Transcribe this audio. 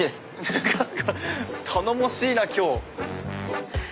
何か頼もしいな今日。